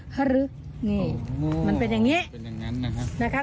โอเคก็เป็นความเปลี่ยวของผ้าไป